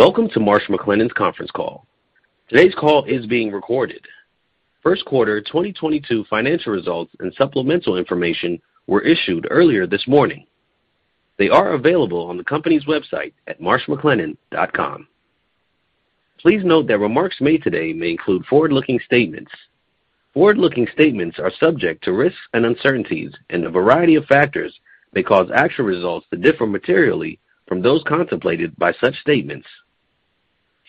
Welcome to Marsh McLennan's conference call. Today's call is being recorded. First quarter 2022 financial results and supplemental information were issued earlier this morning. They are available on the company's website at marshmclennan.com. Please note that remarks made today may include forward-looking statements. Forward-looking statements are subject to risks and uncertainties, and a variety of factors may cause actual results to differ materially from those contemplated by such statements.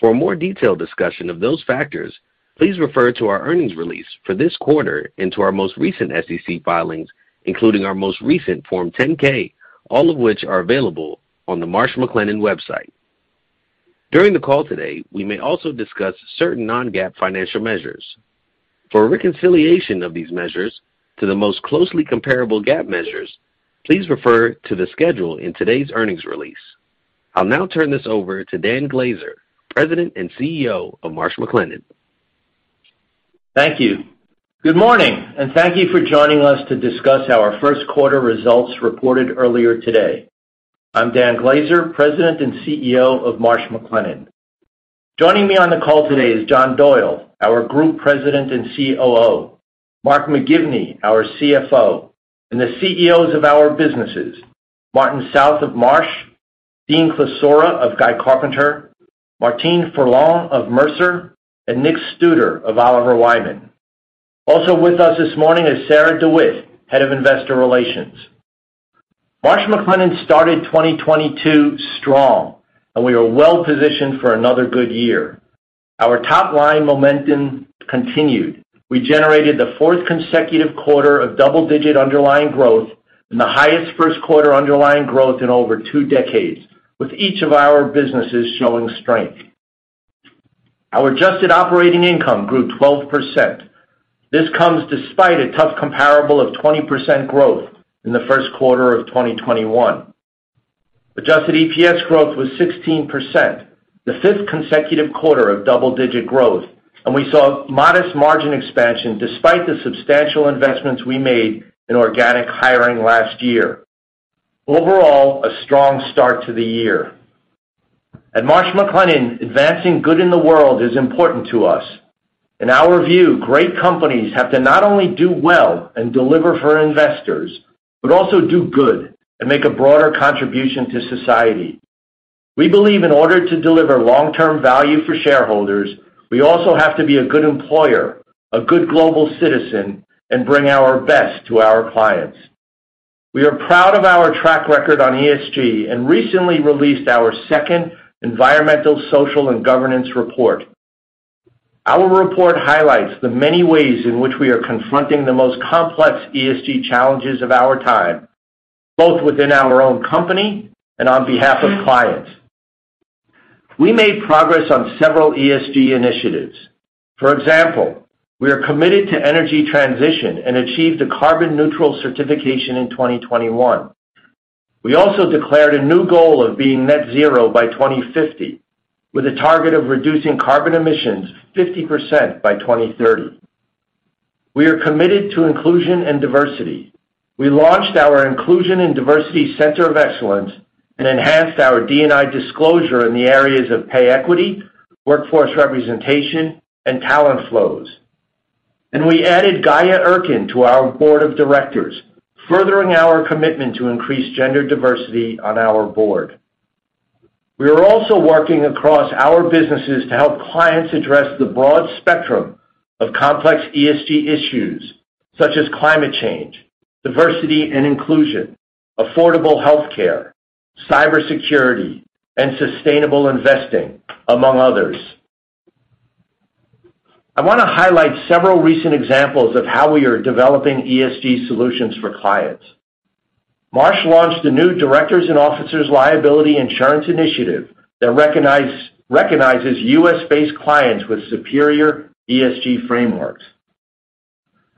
For a more detailed discussion of those factors, please refer to our earnings release for this quarter and to our most recent SEC filings, including our most recent Form 10-K, all of which are available on the Marsh McLennan website. During the call today, we may also discuss certain non-GAAP financial measures. For a reconciliation of these measures to the most closely comparable GAAP measures, please refer to the schedule in today's earnings release. I'll now turn this over to Dan Glaser, President and CEO of Marsh McLennan. Thank you. Good morning, and thank you for joining us to discuss our first quarter results reported earlier today. I'm Dan Glaser, President and CEO of Marsh McLennan. Joining me on the call today is John Doyle, our Group President and COO, Mark McGivney, our CFO, and the CEOs of our businesses, Martin South of Marsh, Dean Klisura of Guy Carpenter, Martine Ferland of Mercer, and Nick Studer of Oliver Wyman. Also with us this morning is Sarah DeWitt, Head of Investor Relations. Marsh McLennan started 2022 strong, and we are well positioned for another good year. Our top line momentum continued. We generated the fourth consecutive quarter of double-digit underlying growth and the highest first quarter underlying growth in over two decades, with each of our businesses showing strength. Our adjusted operating income grew 12%. This comes despite a tough comparable of 20% growth in the first quarter of 2021. Adjusted EPS growth was 16%, the fifth consecutive quarter of double-digit growth, and we saw modest margin expansion despite the substantial investments we made in organic hiring last year. Overall, a strong start to the year. At Marsh McLennan, advancing good in the world is important to us. In our view, great companies have to not only do well and deliver for investors, but also do good and make a broader contribution to society. We believe in order to deliver long-term value for shareholders, we also have to be a good employer, a good global citizen, and bring our best to our clients. We are proud of our track record on ESG and recently released our second Environmental, Social, and Governance report. Our report highlights the many ways in which we are confronting the most complex ESG challenges of our time, both within our own company and on behalf of clients. We made progress on several ESG initiatives. For example, we are committed to energy transition and achieved a carbon neutral certification in 2021. We also declared a new goal of being net zero by 2050, with a target of reducing carbon emissions 50% by 2030. We are committed to inclusion and diversity. We launched our Inclusion and Diversity Center of Excellence and enhanced our D&I disclosure in the areas of pay equity, workforce representation, and talent flows. We added Gaye Erkan to our board of directors, furthering our commitment to increase gender diversity on our board. We are also working across our businesses to help clients address the broad spectrum of complex ESG issues, such as climate change, diversity and inclusion, affordable health care, cybersecurity, and sustainable investing, among others. I wanna highlight several recent examples of how we are developing ESG solutions for clients. Marsh launched a new directors and officers liability insurance initiative that recognizes U.S. based clients with superior ESG frameworks.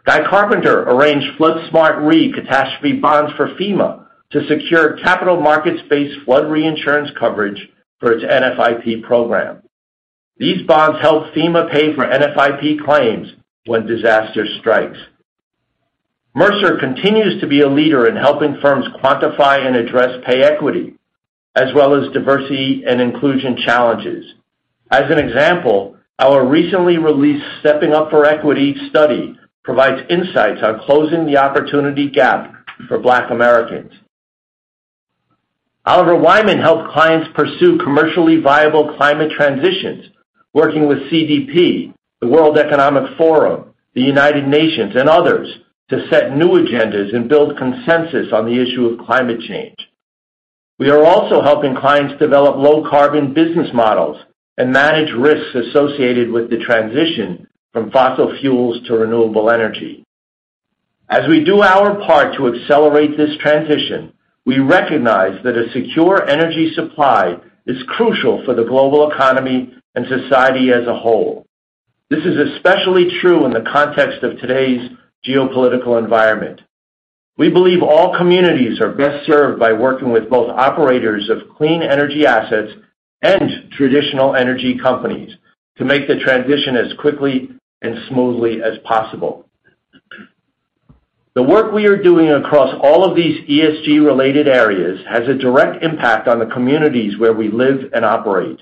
Guy Carpenter arranged FloodSmart Re catastrophe bonds for FEMA to secure capital markets-based flood reinsurance coverage for its NFIP program. These bonds help FEMA pay for NFIP claims when disaster strikes. Mercer continues to be a leader in helping firms quantify and address pay equity, as well as diversity and inclusion challenges. As an example, our recently released Stepping Up for Equity study provides insights on closing the opportunity gap for Black Americans. Oliver Wyman helps clients pursue commercially viable climate transitions, working with CDP, the World Economic Forum, the United Nations, and others to set new agendas and build consensus on the issue of climate change. We are also helping clients develop low carbon business models and manage risks associated with the transition from fossil fuels to renewable energy. As we do our part to accelerate this transition, we recognize that a secure energy supply is crucial for the global economy and society as a whole. This is especially true in the context of today's geopolitical environment. We believe all communities are best served by working with both operators of clean energy assets and traditional energy companies to make the transition as quickly and smoothly as possible. The work we are doing across all of these ESG related areas has a direct impact on the communities where we live and operate.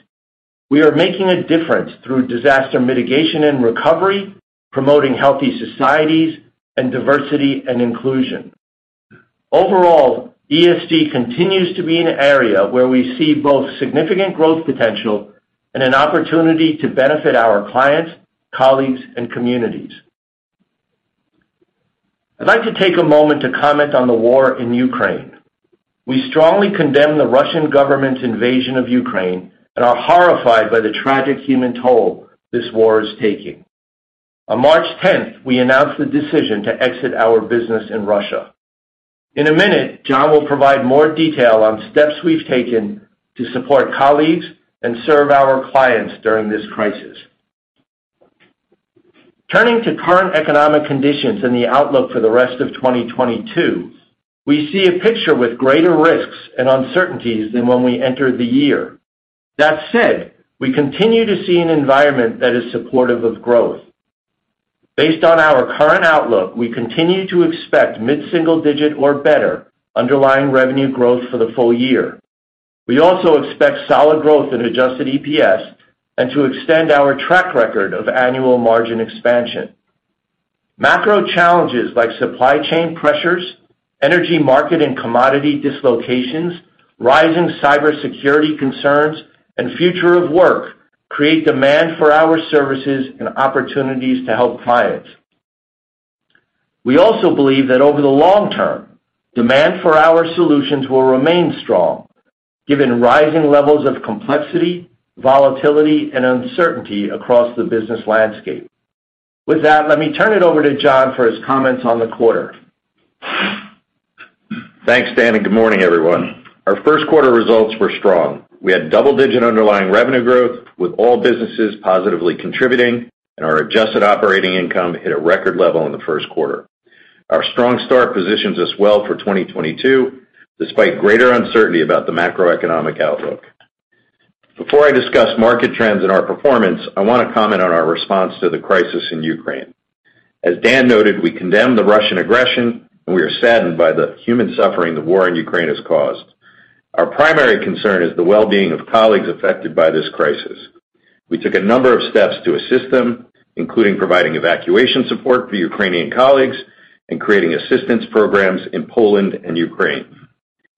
We are making a difference through disaster mitigation and recovery, promoting healthy societies and diversity and inclusion. Overall, ESG continues to be an area where we see both significant growth potential and an opportunity to benefit our clients, colleagues, and communities. I'd like to take a moment to comment on the war in Ukraine. We strongly condemn the Russian government's invasion of Ukraine and are horrified by the tragic human toll this war is taking. On March 10, we announced the decision to exit our business in Russia. In a minute, John will provide more detail on steps we've taken to support colleagues and serve our clients during this crisis. Turning to current economic conditions and the outlook for the rest of 2022, we see a picture with greater risks and uncertainties than when we entered the year. That said, we continue to see an environment that is supportive of growth. Based on our current outlook, we continue to expect mid-single-digit or better underlying revenue growth for the full year. We also expect solid growth in adjusted EPS and to extend our track record of annual margin expansion. Macro challenges like supply chain pressures, energy market and commodity dislocations, rising cybersecurity concerns, and future of work create demand for our services and opportunities to help clients. We also believe that over the long term, demand for our solutions will remain strong given rising levels of complexity, volatility, and uncertainty across the business landscape. With that, let me turn it over to John for his comments on the quarter. Thanks, Dan, and good morning, everyone. Our first quarter results were strong. We had double-digit underlying revenue growth with all businesses positively contributing, and our adjusted operating income hit a record level in the first quarter. Our strong start positions us well for 2022, despite greater uncertainty about the macroeconomic outlook. Before I discuss market trends and our performance, I want to comment on our response to the crisis in Ukraine. As Dan noted, we condemn the Russian aggression, and we are saddened by the human suffering the war in Ukraine has caused. Our primary concern is the well-being of colleagues affected by this crisis. We took a number of steps to assist them, including providing evacuation support for Ukrainian colleagues and creating assistance programs in Poland and Ukraine.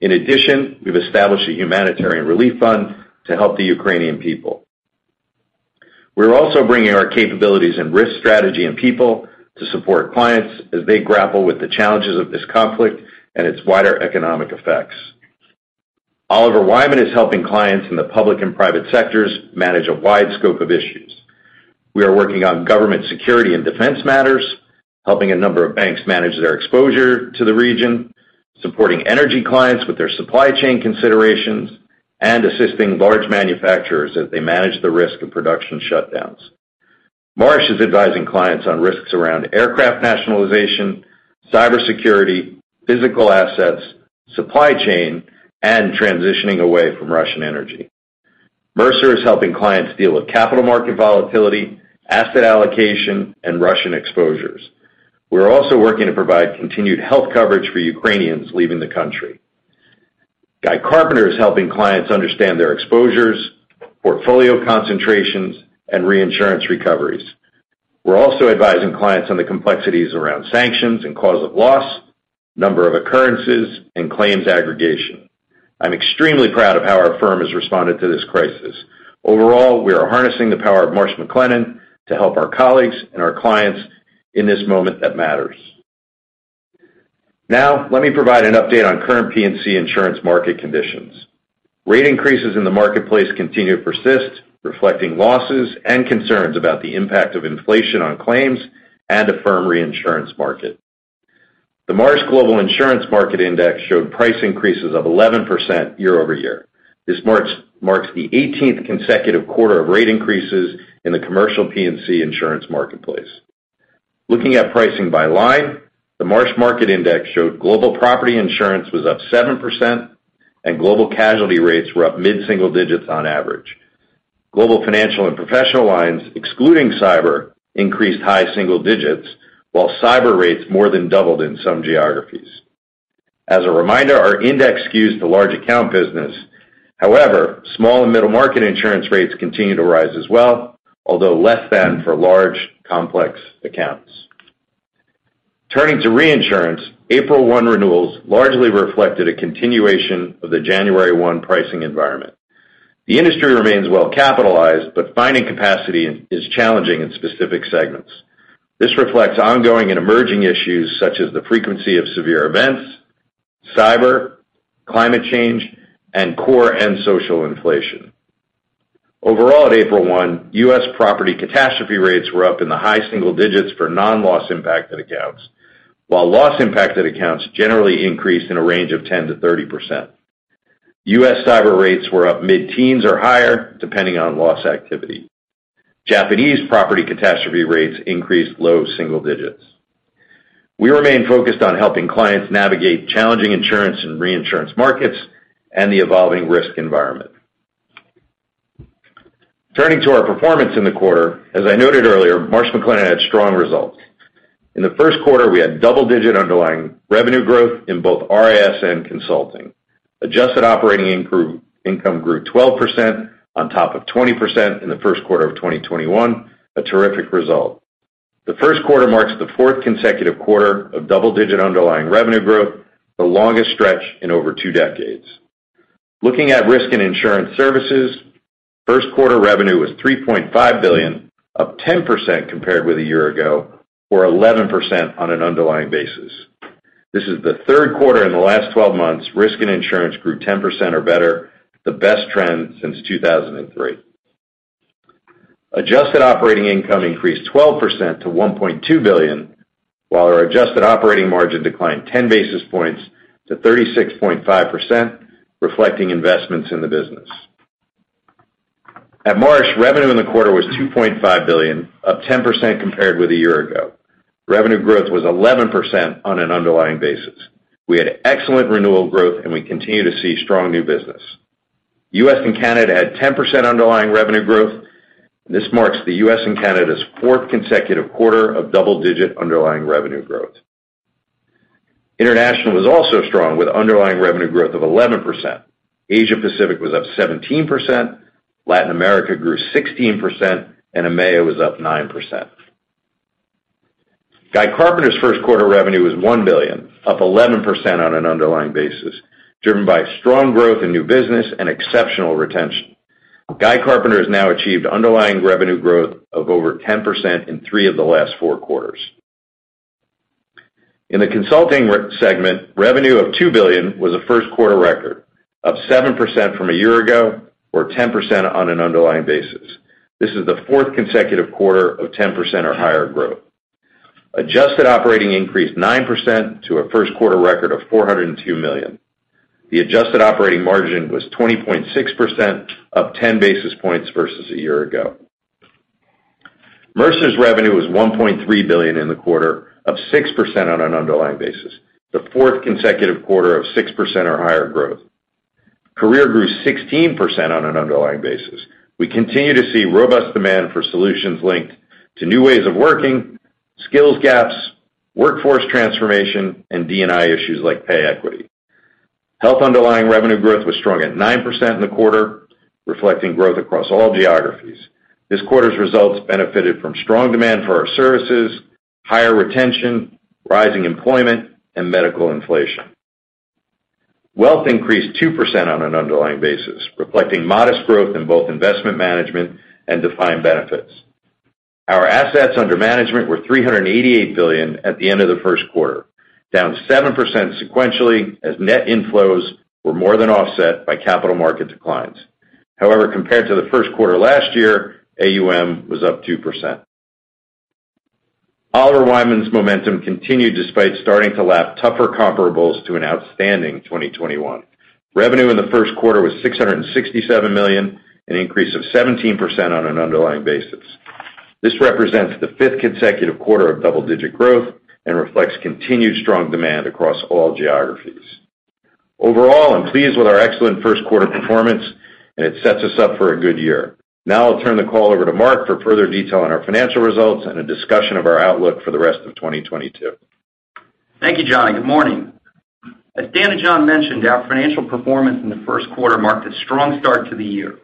In addition, we've established a humanitarian relief fund to help the Ukrainian people. We're also bringing our capabilities in risk strategy and people to support clients as they grapple with the challenges of this conflict and its wider economic effects. Oliver Wyman is helping clients in the public and private sectors manage a wide scope of issues. We are working on government security and defense matters, helping a number of banks manage their exposure to the region, supporting energy clients with their supply chain considerations, and assisting large manufacturers as they manage the risk of production shutdowns. Marsh is advising clients on risks around aircraft nationalization, cybersecurity, physical assets, supply chain, and transitioning away from Russian energy. Mercer is helping clients deal with capital market volatility, asset allocation, and Russian exposures. We're also working to provide continued health coverage for Ukrainians leaving the country. Guy Carpenter is helping clients understand their exposures, portfolio concentrations, and reinsurance recoveries. We're also advising clients on the complexities around sanctions and cause of loss, number of occurrences, and claims aggregation. I'm extremely proud of how our firm has responded to this crisis. Overall, we are harnessing the power of Marsh McLennan to help our colleagues and our clients in this moment that matters. Now, let me provide an update on current P&C insurance market conditions. Rate increases in the marketplace continue to persist, reflecting losses and concerns about the impact of inflation on claims and a firm reinsurance market. The Marsh Global Insurance Market Index showed price increases of 11% year-over-year. This marks the eighteenth consecutive quarter of rate increases in the commercial P&C insurance marketplace. Looking at pricing by line, the Marsh Market Index showed global property insurance was up 7% and global casualty rates were up mid-single digits on average. Global financial and professional lines, excluding cyber, increased high single digits, while cyber rates more than doubled in some geographies. As a reminder, our index skews to large account business. However, small and middle market insurance rates continue to rise as well, although less than for large, complex accounts. Turning to reinsurance, April 1 renewals largely reflected a continuation of the January 1 pricing environment. The industry remains well-capitalized, but finding capacity is challenging in specific segments. This reflects ongoing and emerging issues such as the frequency of severe events, cyber, climate change, and core and social inflation. Overall, at April 1, U.S. property catastrophe rates were up in the high single digits for non-loss impacted accounts, while loss impacted accounts generally increased in a range of 10%-30%. U.S. cyber rates were up mid-teens or higher, depending on loss activity. Japanese property catastrophe rates increased low single digits. We remain focused on helping clients navigate challenging insurance and reinsurance markets and the evolving risk environment. Turning to our performance in the quarter, as I noted earlier, Marsh McLennan had strong results. In the first quarter, we had double-digit underlying revenue growth in both RIS and consulting. Adjusted operating income grew 12% on top of 20% in the first quarter of 2021, a terrific result. The first quarter marks the fourth consecutive quarter of double-digit underlying revenue growth, the longest stretch in over two decades. Looking at risk and insurance services, first quarter revenue was $3.5 billion, up 10% compared with a year ago, or 11% on an underlying basis. This is the third quarter in the last twelve months Risk and Insurance grew 10% or better, the best trend since 2003. Adjusted operating income increased 12% to $1.2 billion, while our adjusted operating margin declined 10 basis points to 36.5%, reflecting investments in the business. At Marsh, revenue in the quarter was $2.5 billion, up 10% compared with a year ago. Revenue growth was 11% on an underlying basis. We had excellent renewal growth, and we continue to see strong new business. U.S. and Canada had 10% underlying revenue growth. This marks the U.S. and Canada's fourth consecutive quarter of double-digit underlying revenue growth. International was also strong with underlying revenue growth of 11%. Asia Pacific was up 17%. Latin America grew 16%, and EMEA was up 9%. Guy Carpenter's first quarter revenue was $1 billion, up 11% on an underlying basis, driven by strong growth in new business and exceptional retention. Guy Carpenter has now achieved underlying revenue growth of over 10% in three of the last four quarters. In the consulting segment, revenue of $2 billion was a first quarter record, up 7% from a year ago, or 10% on an underlying basis. This is the fourth consecutive quarter of 10% or higher growth. Adjusted operating income increased 9% to a first quarter record of $402 million. The adjusted operating margin was 20.6%, up 10 basis points versus a year ago. Mercer's revenue was $1.3 billion in the quarter, up 6% on an underlying basis, the fourth consecutive quarter of 6% or higher growth. Career grew 16% on an underlying basis. We continue to see robust demand for solutions linked to new ways of working, skills gaps, workforce transformation, and D&I issues like pay equity. Health underlying revenue growth was strong at 9% in the quarter, reflecting growth across all geographies. This quarter's results benefited from strong demand for our services, higher retention, rising employment, and medical inflation. Wealth increased 2% on an underlying basis, reflecting modest growth in both investment management and defined benefits. Our assets under management were $388 billion at the end of the first quarter, down 7% sequentially as net inflows were more than offset by capital market declines. However, compared to the first quarter last year, AUM was up 2%. Oliver Wyman's momentum continued despite starting to lap tougher comparables to an outstanding 2021. Revenue in the first quarter was $667 million, an increase of 17% on an underlying basis. This represents the fifth consecutive quarter of double-digit growth and reflects continued strong demand across all geographies. Overall, I'm pleased with our excellent first quarter performance, and it sets us up for a good year. Now I'll turn the call over to Mark for further detail on our financial results and a discussion of our outlook for the rest of 2022. Thank you, John, and good morning. As Dan and John mentioned, our financial performance in the first quarter marked a strong start to the year.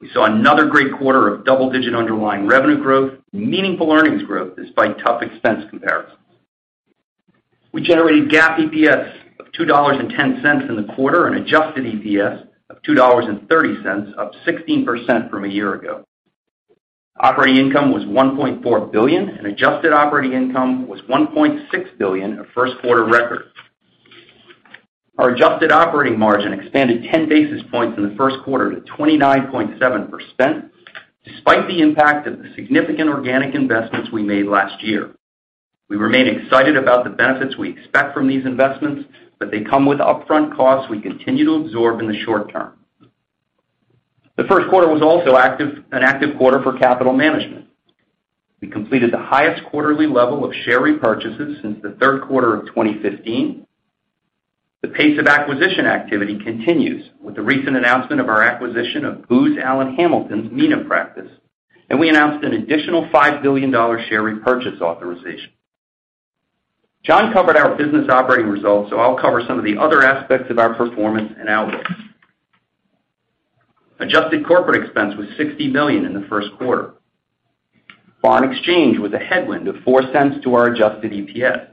We saw another great quarter of double-digit underlying revenue growth, meaningful earnings growth despite tough expense comparisons. We generated GAAP EPS of $2.10 in the quarter and adjusted EPS of $2.30, up 16% from a year ago. Operating income was $1.4 billion, and adjusted operating income was $1.6 billion, a first quarter record. Our adjusted operating margin expanded 10 basis points in the first quarter to 29.7%, despite the impact of the significant organic investments we made last year. We remain excited about the benefits we expect from these investments, but they come with upfront costs we continue to absorb in the short term. The first quarter was also active, an active quarter for capital management. We completed the highest quarterly level of share repurchases since the third quarter of 2015. The pace of acquisition activity continues with the recent announcement of our acquisition of Booz Allen Hamilton's MENA practice, and we announced an additional $5 billion share repurchase authorization. John covered our business operating results, so I'll cover some of the other aspects of our performance and outlook. Adjusted corporate expense was $60 million in the first quarter. Foreign exchange was a headwind of $0.04 to our adjusted EPS.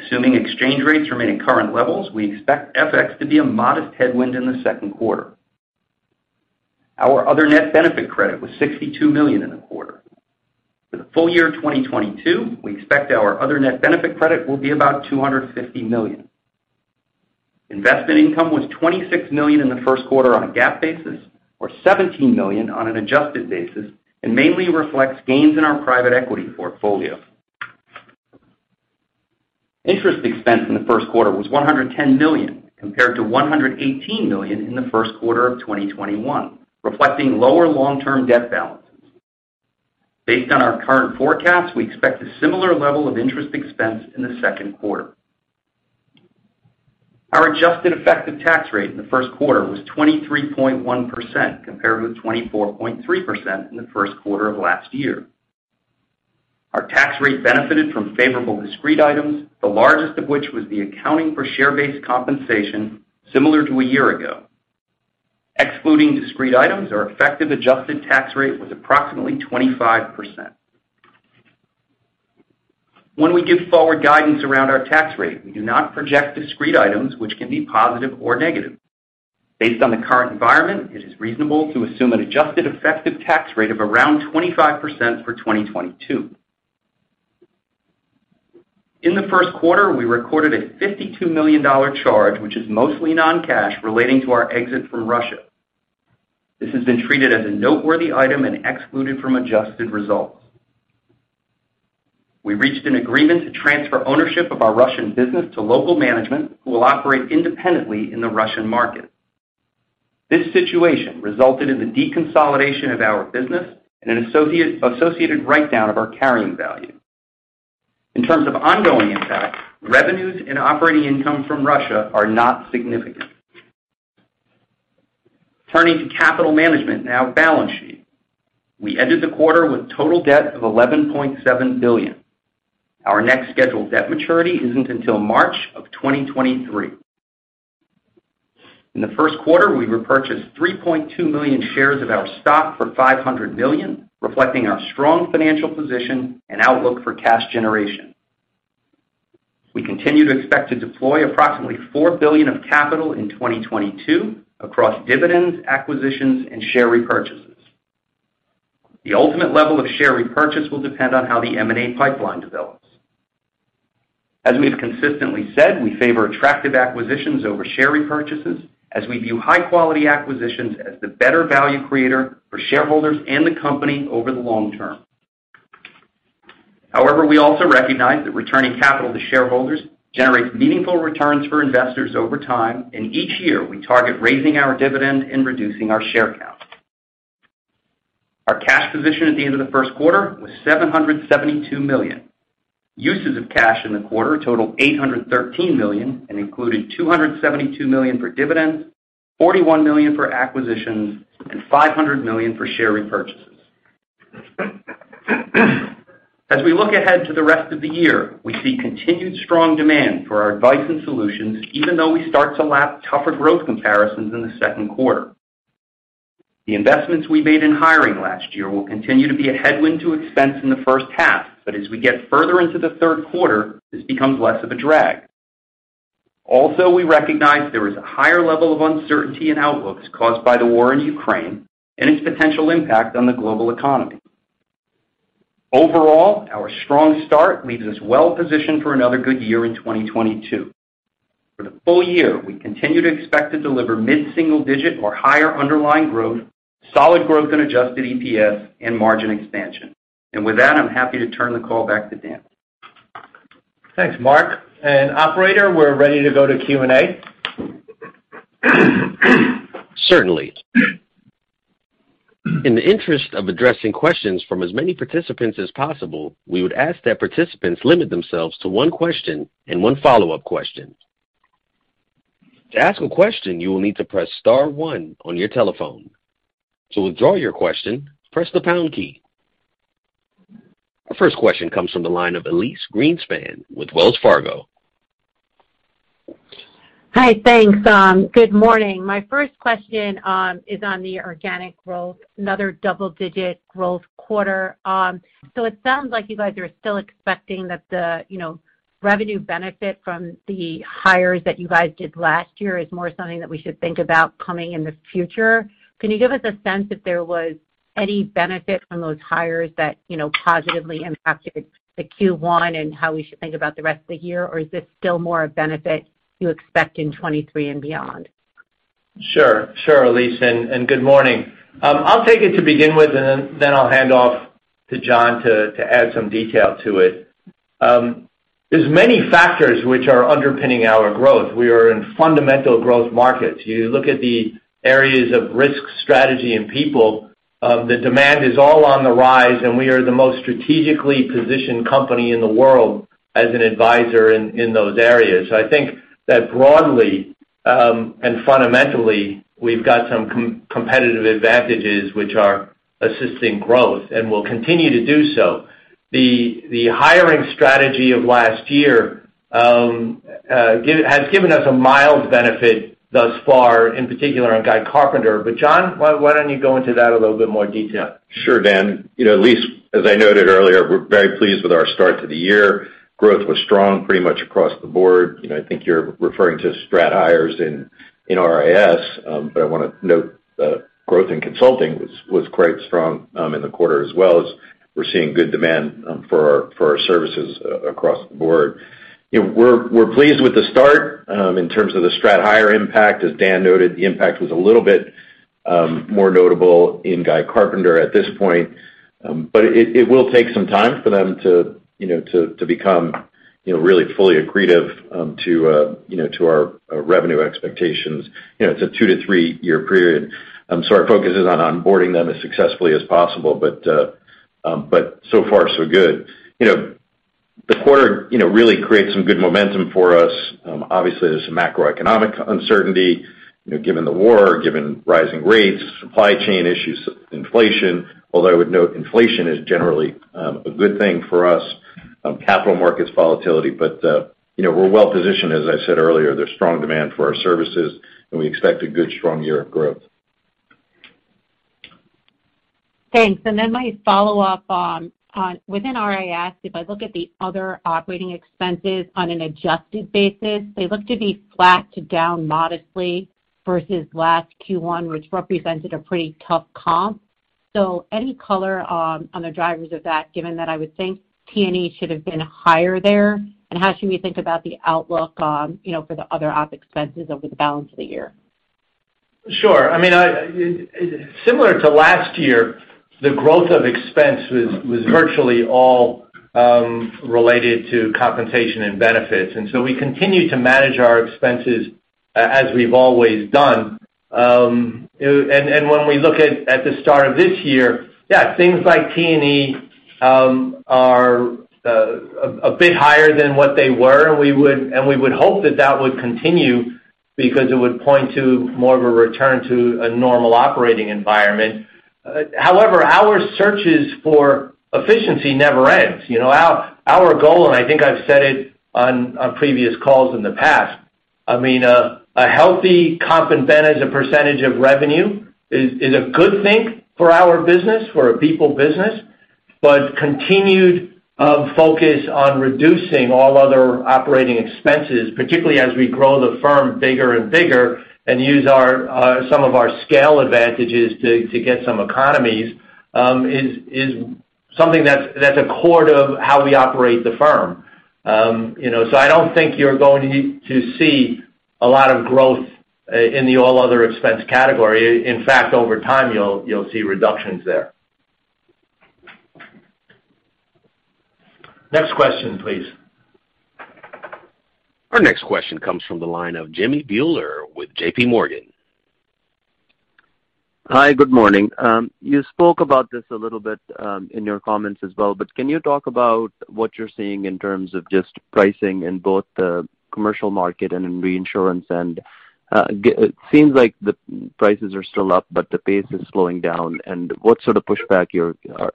Assuming exchange rates remain at current levels, we expect FX to be a modest headwind in the second quarter. Our other net benefit credit was $62 million in the quarter. For the full year 2022, we expect our other net benefit credit will be about $250 million. Investment income was $26 million in the first quarter on a GAAP basis, or $17 million on an adjusted basis, and mainly reflects gains in our private equity portfolio. Interest expense in the first quarter was $110 million, compared to $118 million in the first quarter of 2021, reflecting lower long-term debt balances. Based on our current forecast, we expect a similar level of interest expense in the second quarter. Our adjusted effective tax rate in the first quarter was 23.1% compared with 24.3% in the first quarter of last year. Our tax rate benefited from favorable discrete items, the largest of which was the accounting for share-based compensation similar to a year ago. Excluding discrete items, our effective adjusted tax rate was approximately 25%. When we give forward guidance around our tax rate, we do not project discrete items which can be positive or negative. Based on the current environment, it is reasonable to assume an adjusted effective tax rate of around 25% for 2022. In the first quarter, we recorded a $52 million charge, which is mostly non-cash relating to our exit from Russia. This has been treated as a noteworthy item and excluded from adjusted results. We reached an agreement to transfer ownership of our Russian business to local management, who will operate independently in the Russian market. This situation resulted in the deconsolidation of our business and an associated write-down of our carrying value. In terms of ongoing impact, revenues and operating income from Russia are not significant. Turning to capital management and our balance sheet. We ended the quarter with total debt of $11.7 billion. Our next scheduled debt maturity isn't until March 2023. In the first quarter, we repurchased 3.2 million shares of our stock for $500 million, reflecting our strong financial position and outlook for cash generation. We continue to expect to deploy approximately $4 billion of capital in 2022 across dividends, acquisitions, and share repurchases. The ultimate level of share repurchase will depend on how the M&A pipeline develops. As we've consistently said, we favor attractive acquisitions over share repurchases as we view high-quality acquisitions as the better value creator for shareholders and the company over the long term. However, we also recognize that returning capital to shareholders generates meaningful returns for investors over time, and each year, we target raising our dividend and reducing our share count. Our cash position at the end of the first quarter was $772 million. Uses of cash in the quarter totaled $813 million and included $272 million for dividends, $41 million for acquisitions, and $500 million for share repurchases. As we look ahead to the rest of the year, we see continued strong demand for our advice and solutions, even though we start to lap tougher growth comparisons in the second quarter. The investments we made in hiring last year will continue to be a headwind to expense in the first half. As we get further into the third quarter, this becomes less of a drag. Also, we recognize there is a higher level of uncertainty in outlooks caused by the war in Ukraine and its potential impact on the global economy. Overall, our strong start leaves us well positioned for another good year in 2022. For the full year, we continue to expect to deliver mid-single digit or higher underlying growth, solid growth and adjusted EPS, and margin expansion. With that, I'm happy to turn the call back to Dan. Thanks, Mark. Operator, we're ready to go to Q&A. Certainly. In the interest of addressing questions from as many participants as possible, we would ask that participants limit themselves to one question and one follow-up question. To ask a question, you will need to press star one on your telephone. To withdraw your question, press the pound key. Our first question comes from the line of Elyse Greenspan with Wells Fargo. Hi. Thanks. Good morning. My first question is on the organic growth, another double-digit growth quarter. It sounds like you guys are still expecting that the, you know, revenue benefit from the hires that you guys did last year is more something that we should think about coming in the future. Can you give us a sense if there was any benefit from those hires that, you know, positively impacted the Q1 and how we should think about the rest of the year? Or is this still more a benefit you expect in 2023 and beyond? Sure, Elise, and good morning. I'll take it to begin with, and then I'll hand off to John to add some detail to it. There's many factors which are underpinning our growth. We are in fundamental growth markets. You look at the areas of risk, strategy, and people, the demand is all on the rise, and we are the most strategically positioned company in the world as an advisor in those areas. I think that broadly and fundamentally, we've got some competitive advantages which are assisting growth and will continue to do so. The hiring strategy of last year has given us a mild benefit thus far, in particular on Guy Carpenter. John, why don't you go into that a little bit more detail? Sure, Dan. You know, Elyse, as I noted earlier, we're very pleased with our start to the year. Growth was strong pretty much across the board. You know, I think you're referring to strategic hires in RIS, but I wanna note that growth in consulting was quite strong in the quarter as well as we're seeing good demand for our services across the board. You know, we're pleased with the start. In terms of the strategic hire impact, as Dan noted, the impact was a little bit more notable in Guy Carpenter at this point. But it will take some time for them to become really fully accretive to our revenue expectations. You know, it's a 2-3-year period. our focus is on onboarding them as successfully as possible. so far, so good, you know. The quarter, you know, really creates some good momentum for us. Obviously, there's some macroeconomic uncertainty, you know, given the war, given rising rates, supply chain issues, inflation, although I would note inflation is generally a good thing for us, capital markets volatility. You know, we're well-positioned, as I said earlier. There's strong demand for our services, and we expect a good strong year of growth. Thanks. Then my follow-up on within RIS, if I look at the other operating expenses on an adjusted basis, they look to be flat to down modestly versus last Q1, which represented a pretty tough comp. Any color on the drivers of that, given that I would think T&E should have been higher there? How should we think about the outlook, you know, for the other op expenses over the balance of the year? Sure. I mean, similar to last year, the growth of expense was virtually all related to compensation and benefits. We continue to manage our expenses as we've always done. When we look at the start of this year, things like T&E are a bit higher than what they were. We would hope that that would continue because it would point to more of a return to a normal operating environment. However, our searches for efficiency never ends. Our goal, and I think I've said it on previous calls in the past, a healthy comp and ben as a percentage of revenue is a good thing for our business, for a people business. Continued focus on reducing all other operating expenses, particularly as we grow the firm bigger and bigger and use our some of our scale advantages to get some economies is something that's a core to how we operate the firm. You know, so I don't think you're going to see a lot of growth in the all other expense category. In fact, over time you'll see reductions there. Next question, please. Our next question comes from the line of Jimmy Bhullar with JPMorgan. Hi, good morning. You spoke about this a little bit in your comments as well, but can you talk about what you're seeing in terms of just pricing in both the commercial market and in reinsurance? It seems like the prices are still up, but the pace is slowing down. What sort of pushback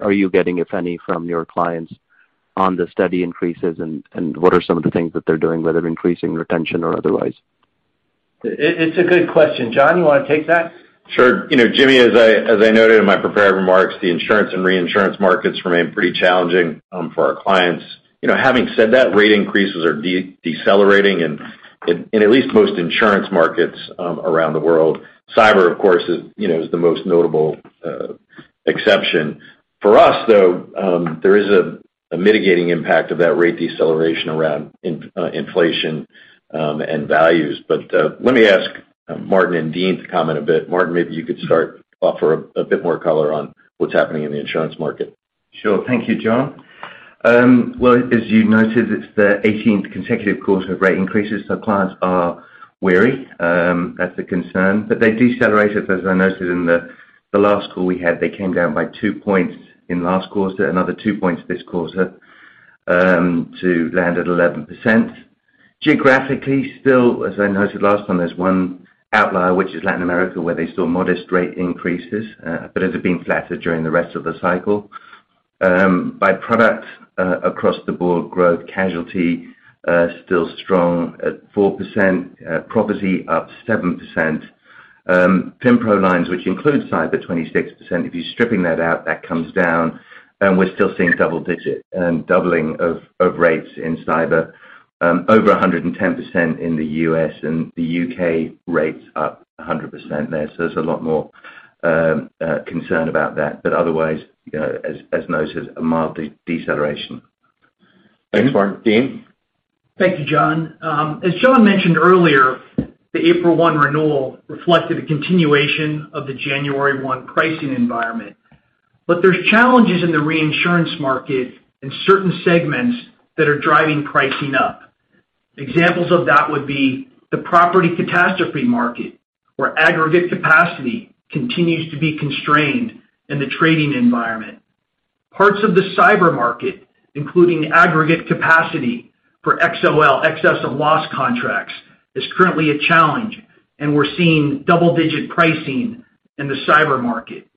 are you getting, if any, from your clients on the steady increases? What are some of the things that they're doing, whether increasing retention or otherwise? It's a good question. John, you wanna take that? Sure. You know, Jimmy, as I noted in my prepared remarks, the insurance and reinsurance markets remain pretty challenging for our clients. You know, having said that, rate increases are decelerating in at least most insurance markets around the world. Cyber, of course, is the most notable exception. For us, though, there is a mitigating impact of that rate deceleration around in inflation and values. Let me ask Martin and Dean to comment a bit. Martin, maybe you could start, offer a bit more color on what's happening in the insurance market. Sure. Thank you, John. As you noted, it's the 18th consecutive quarter of rate increases, so clients are wary. That's a concern. They decelerated, as I noted in the last call we had. They came down by two points in last quarter, another two points this quarter, to land at 11%. Geographically, still, as I noted last time, there's one outlier, which is Latin America, where they saw modest rate increases, but those have been flatter during the rest of the cycle. By product, across the board, growth casualty, still strong at 4%. Property up 7%. FINPRO lines, which includes cyber, 26%. If you're stripping that out, that comes down, and we're still seeing double digit doubling of rates in cyber. Over 110% in the U.S., and the U.K. rates up 100% there. There's a lot more concern about that. Otherwise, you know, as noted, a mild deceleration. Thanks, Martin. Dean? Thank you, John. As John mentioned earlier, the April 1 renewal reflected a continuation of the January 1 pricing environment. There's challenges in the reinsurance market in certain segments that are driving pricing up. Examples of that would be the property catastrophe market, where aggregate capacity continues to be constrained in the trading environment. Parts of the cyber market, including aggregate capacity for XOL, excess of loss contracts, is currently a challenge, and we're seeing double-digit pricing in the cyber market.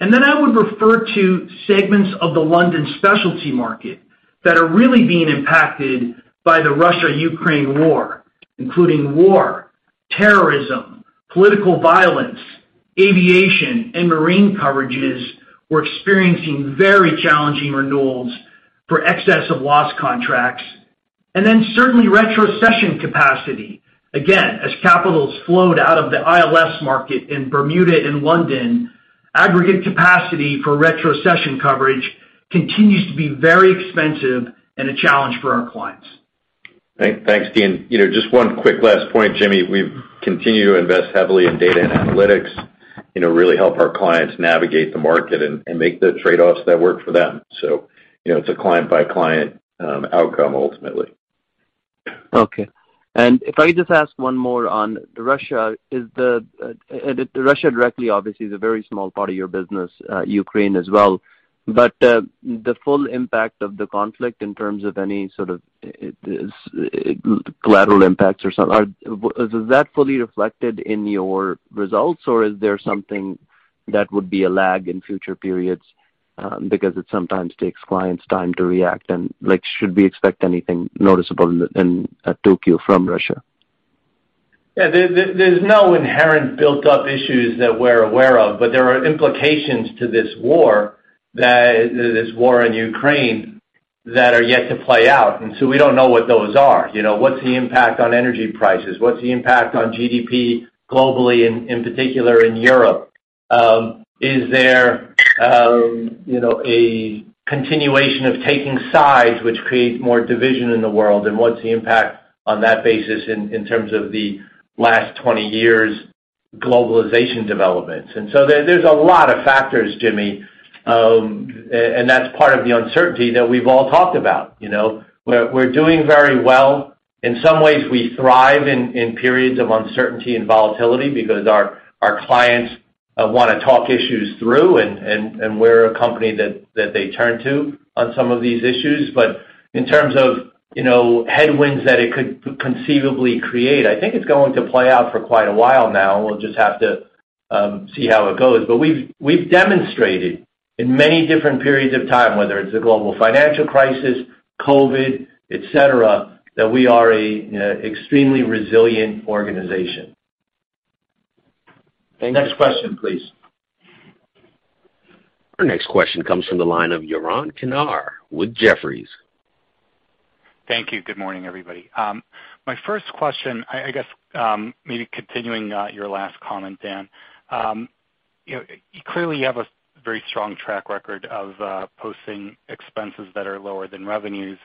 I would refer to segments of the London specialty market that are really being impacted by the Russia-Ukraine war, including war, terrorism, political violence, aviation and marine coverages were experiencing very challenging renewals for excess of loss contracts. Certainly retrocession capacity. Again, as capital flowed out of the ILS market in Bermuda and London, aggregate capacity for retrocession coverage continues to be very expensive and a challenge for our clients. Thanks, Dean. You know, just one quick last point, Jimmy. We've continued to invest heavily in data and analytics, you know, really help our clients navigate the market and make the trade-offs that work for them. You know, it's a client-by-client outcome ultimately. Okay. If I just ask one more on Russia. Is Russia directly obviously a very small part of your business, Ukraine as well. But the full impact of the conflict in terms of any sort of collateral impacts or so is that fully reflected in your results or is there something that would be a lag in future periods, because it sometimes takes clients time to react and like should we expect anything noticeable in Tokyo from Russia? Yeah. There's no inherent built up issues that we're aware of, but there are implications to this war in Ukraine that are yet to play out. We don't know what those are. You know, what's the impact on energy prices? What's the impact on GDP globally, in particular in Europe? Is there, you know, a continuation of taking sides which create more division in the world? What's the impact on that basis in terms of the last 20 years globalization developments? There's a lot of factors, Jimmy. That's part of the uncertainty that we've all talked about. You know, we're doing very well. In some ways, we thrive in periods of uncertainty and volatility because our clients wanna talk issues through, and we're a company that they turn to on some of these issues. In terms of, you know, headwinds that it could conceivably create, I think it's going to play out for quite a while now, and we'll just have to see how it goes. We've demonstrated in many different periods of time, whether it's the global financial crisis, COVID, et cetera, that we are a, you know, extremely resilient organization. Thank you. Next question, please. Our next question comes from the line of Yaron Kinar with Jefferies. Thank you. Good morning, everybody. My first question, I guess, maybe continuing your last comment, Dan. You know, clearly you have a very strong track record of posting expenses that are lower than revenues.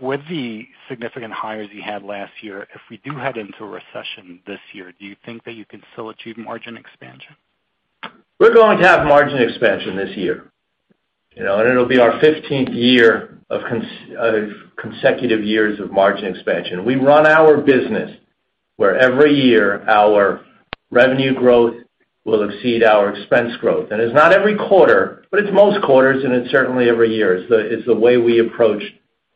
With the significant hires you had last year, if we do head into a recession this year, do you think that you can still achieve margin expansion? We're going to have margin expansion this year. You know, it'll be our fifteenth year of consecutive years of margin expansion. We run our business where every year our revenue growth will exceed our expense growth. It's not every quarter, but it's most quarters, and it's certainly every year. It's the way we approach the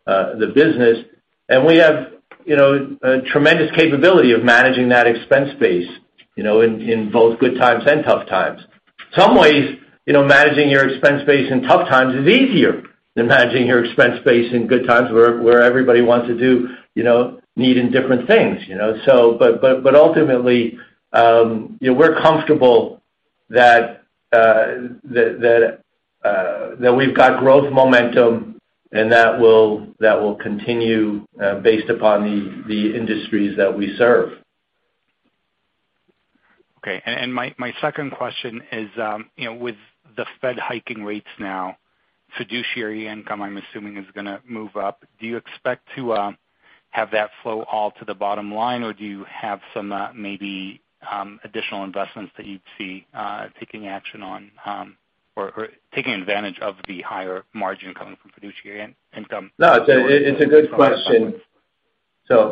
business. We have, you know, a tremendous capability of managing that expense base, you know, in both good times and tough times. In some ways, you know, managing your expense base in tough times is easier than managing your expense base in good times, where everybody wants to do, you know, needing different things, you know. Ultimately, you know, we're comfortable that we've got growth momentum and that will continue based upon the industries that we serve. Okay. My second question is, you know, with the Fed hiking rates now, fiduciary income, I'm assuming, is gonna move up. Do you expect to have that flow all to the bottom line, or do you have some, maybe, additional investments that you'd see taking action on, or taking advantage of the higher margin coming from fiduciary income? No, it's a good question.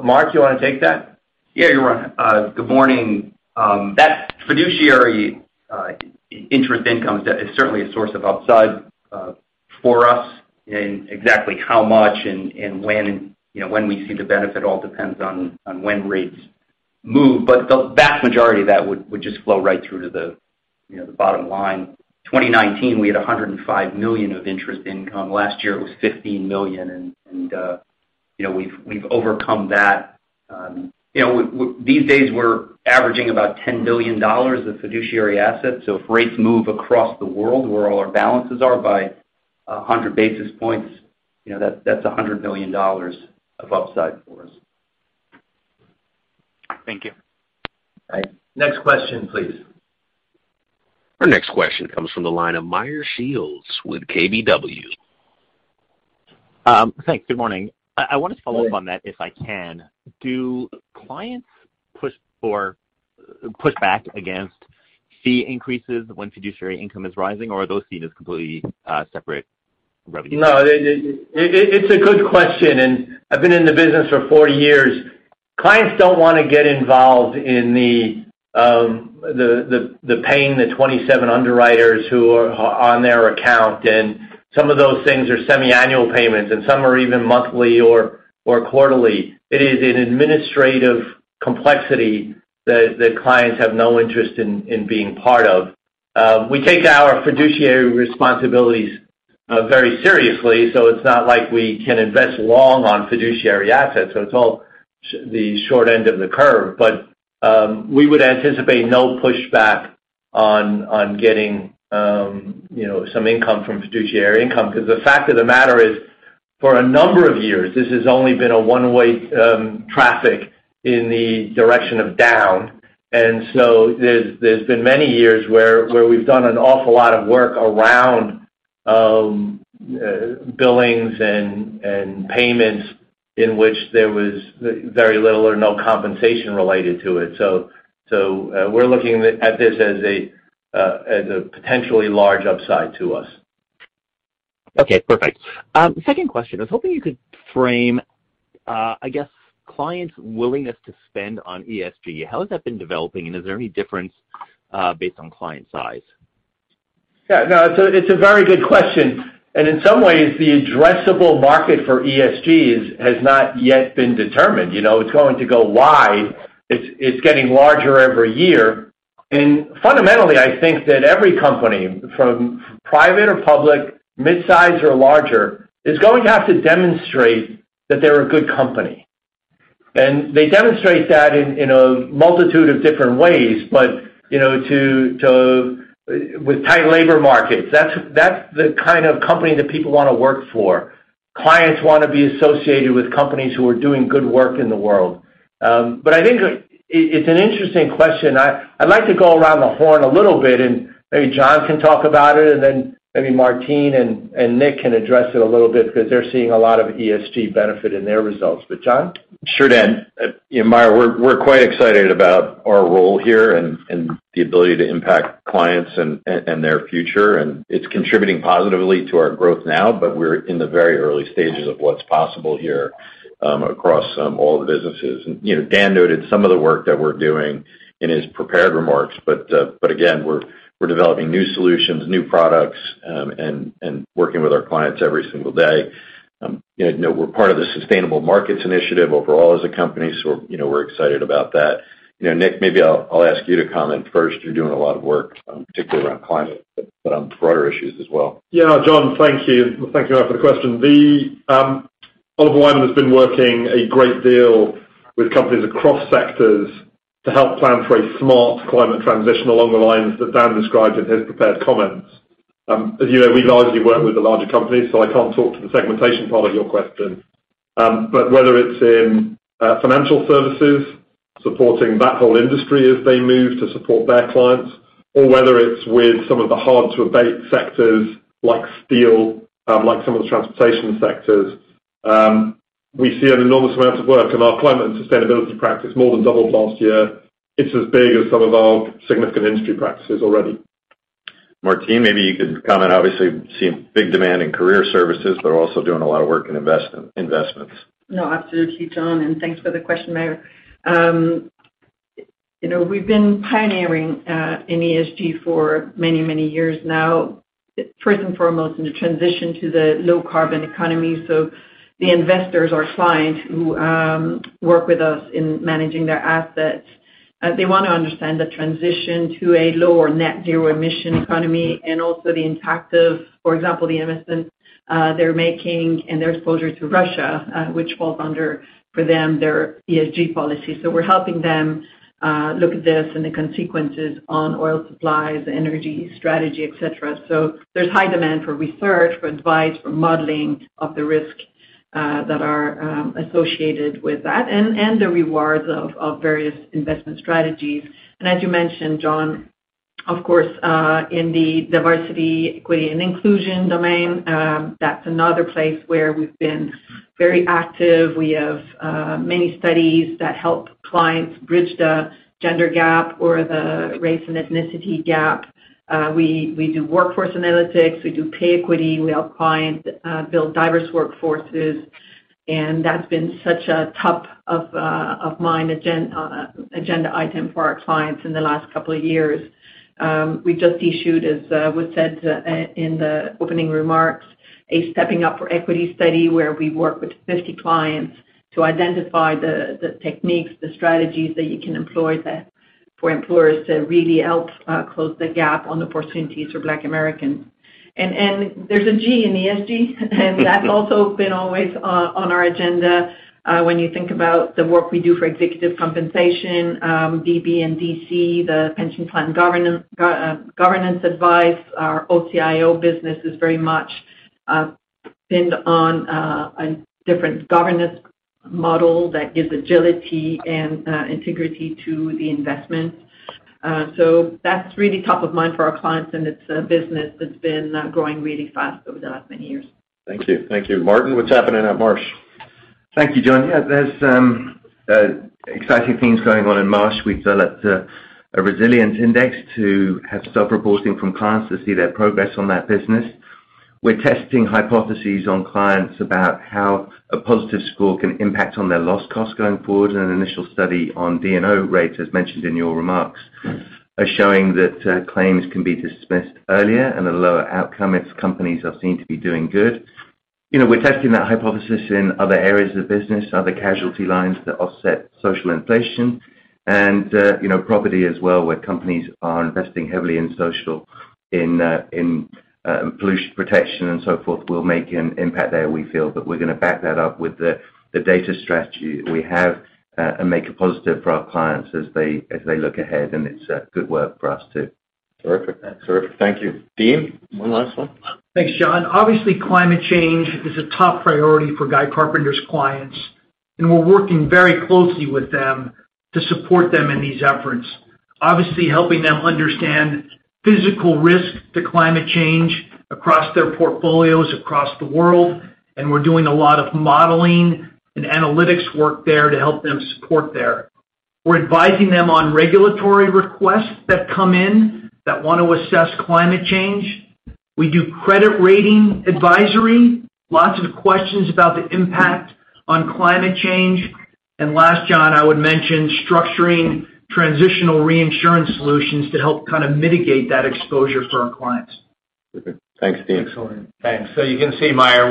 Mark, you wanna take that? Yeah, Yaron. Good morning. That fiduciary interest income is certainly a source of upside for us. Exactly how much and when we see the benefit all depends on when rates move. The vast majority of that would just flow right through to the bottom line. 2019, we had $105 million of interest income. Last year, it was $15 million. You know, we've overcome that. These days we're averaging about $10 billion of fiduciary assets. If rates move across the world where all our balances are by 100 basis points, you know, that's $100 million of upside for us. Thank you. All right. Next question, please. Our next question comes from the line of Meyer Shields with KBW. Thanks. Good morning. I wanted to follow up on that if I can. Do clients push back against fee increases when fiduciary income is rising, or are those seen as completely separate revenue? No. It's a good question, and I've been in the business for 40 years. Clients don't wanna get involved in paying the 27 underwriters who are on their account, and some of those things are semi-annual payments, and some are even monthly or quarterly. It is an administrative complexity that clients have no interest in being part of. We take our fiduciary responsibilities very seriously, so it's not like we can invest long on fiduciary assets. It's all the short end of the curve. We would anticipate no pushback on getting you know some income from fiduciary income because the fact of the matter is, for a number of years, this has only been a one-way traffic in the direction of down. There's been many years where we've done an awful lot of work around billings and payments in which there was very little or no compensation related to it. We're looking at this as a potentially large upside to us. Okay, perfect. Second question, I was hoping you could frame, I guess clients' willingness to spend on ESG. How has that been developing, and is there any difference, based on client size? Yeah, no, it's a very good question. In some ways, the addressable market for ESGs has not yet been determined. You know, it's going to go wide. It's getting larger every year. Fundamentally, I think that every company from private or public, mid-size or larger, is going to have to demonstrate that they're a good company. They demonstrate that in a multitude of different ways. You know, with tight labor markets, that's the kind of company that people wanna work for. Clients wanna be associated with companies who are doing good work in the world. I think it's an interesting question. I'd like to go around the horn a little bit and maybe John can talk about it, and then maybe Martine and Nick can address it a little bit because they're seeing a lot of ESG benefit in their results. But John? Sure, Dan. You know, Meyer, we're quite excited about our role here and the ability to impact clients and their future, and it's contributing positively to our growth now, but we're in the very early stages of what's possible here across all the businesses. You know, Dan noted some of the work that we're doing in his prepared remarks, but again, we're developing new solutions, new products, and working with our clients every single day. You know, we're part of the Sustainable Markets Initiative overall as a company, so you know, we're excited about that. You know, Nick, maybe I'll ask you to comment first. You're doing a lot of work particularly around climate, but on broader issues as well. Yeah, John, thank you. Thank you for the question. The Oliver Wyman has been working a great deal with companies across sectors to help plan for a smart climate transition along the lines that Dan described in his prepared comments. As you know, we largely work with the larger companies, so I can't talk to the segmentation part of your question. Whether it's in financial services, supporting that whole industry as they move to support their clients, or whether it's with some of the hard-to-abate sectors like steel, like some of the transportation sectors, we see an enormous amount of work, and our climate and sustainability practice more than doubled last year. It's as big as some of our significant industry practices already. Martine, maybe you could comment. Obviously, seeing big demand in career services, but also doing a lot of work in investments. No, absolutely, John, and thanks for the question, Meyer. You know, we've been pioneering in ESG for many, many years now, first and foremost in the transition to the low carbon economy. The investors are clients who work with us in managing their assets. They wanna understand the transition to a lower net zero emission economy and also the impact of, for example, the investments they're making and their exposure to Russia, which falls under, for them, their ESG policy. We're helping them look at this and the consequences on oil supplies, energy strategy, et cetera. There's high demand for research, for advice, for modeling of the risk that are associated with that and the rewards of various investment strategies. As you mentioned, John, of course, in the Diversity, Equity, and Inclusion domain, that's another place where we've been very active. We have many studies that help clients bridge the gender gap or the race and ethnicity gap. We do workforce analytics. We do pay equity. We help clients build diverse workforces, and that's been such a top-of-mind agenda item for our clients in the last couple of years. We just issued, as was said in the opening remarks, a Stepping Up for Equity study where we work with 50 clients to identify the techniques, the strategies that you can employ for employers to really help close the gap on the opportunities for Black Americans. There's a G in ESG, and that's also been always on our agenda when you think about the work we do for executive compensation, DB and DC, the pension plan governance advice. Our OCIO business is very much pinned on a different governance model that gives agility and integrity to the investment. That's really top of mind for our clients, and it's a business that's been growing really fast over the last many years. Thank you. Thank you. Martin, what's happening at Marsh? Thank you, John. Yeah, there's exciting things going on in Marsh. We've developed a resilience index to have self-reporting from clients to see their progress on that business. We're testing hypotheses on clients about how a positive score can impact on their loss cost going forward, and an initial study on D&O rates, as mentioned in your remarks, are showing that claims can be dismissed earlier and a lower outcome if companies are seen to be doing good. You know, we're testing that hypothesis in other areas of the business, other casualty lines that offset social inflation. You know, property as well, where companies are investing heavily in social, in pollution protection and so forth, will make an impact there. We feel that we're gonna back that up with the data strategy we have, and make it positive for our clients as they look ahead, and it's good work for us too. Terrific. Thank you. Dean, one last one. Thanks, John. Obviously, climate change is a top priority for Guy Carpenter's clients, and we're working very closely with them to support them in these efforts. Obviously, helping them understand physical risk to climate change across their portfolios across the world, and we're doing a lot of modeling and analytics work there to help them support there. We're advising them on regulatory requests that come in that want to assess climate change. We do credit rating advisory, lots of questions about the impact on climate change. Last, John, I would mention structuring transitional reinsurance solutions to help kind of mitigate that exposure for our clients. Okay. Thanks, Steve. Excellent. Thanks. You can see, Meyer,